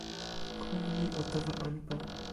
kon mi o tawa anpa.